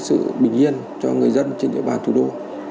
sự bình yên cho người dân trên địa bàn thủ đô